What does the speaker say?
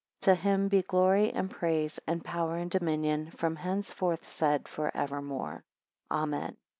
7 To him be glory and praise, and power, and dominion, from henceforth said for evermore. Amen.